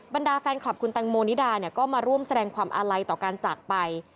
ดาแฟนคลับคุณแตงโมนิดาเนี่ยก็มาร่วมแสดงความอาลัยต่อการจากไป